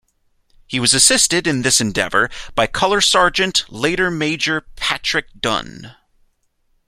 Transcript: He was assisted in this endeavor by Color Sergeant, later Major Patrick Dunne.